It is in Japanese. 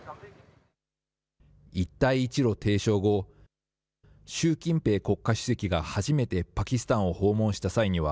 一帯一路提唱後、習近平国家主席が初めてパキスタンを訪問した際には、